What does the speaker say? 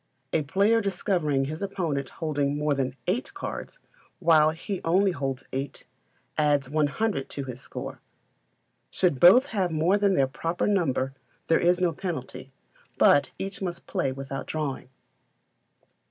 A player discovering his opponent holding more than eight cards, while he only holds eight, adds 100 to his score. Should both have more than their proper number there is no penalty, but each must play without drawing.